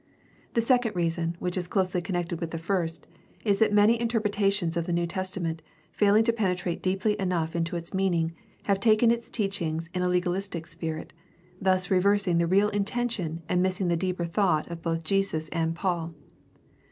The second reason, which is closely connected with the first, is that many interpreters of the New Testament, failing to penetrate deeply enough into its meaning, have taken its teachings in a legalistic spirit, thus reversing the real intention and missing the deeper thought of both Jesus and Paul.